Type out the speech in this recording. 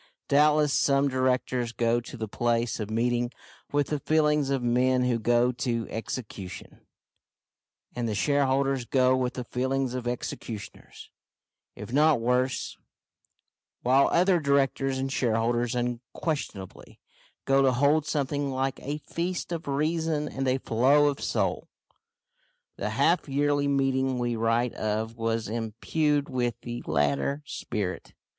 Doubtless some directors go to the place of meeting with the feelings of men who go to execution, and the shareholders go with the feelings of executioners, if not worse; while other directors and shareholders unquestionably go to hold something like a feast of reason and a flow of soul. The half yearly meeting we write of was imbued with the latter spirit.